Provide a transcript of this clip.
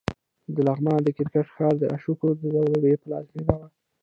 د لغمان د کرکټ ښار د اشوکا د دورې پلازمېنه وه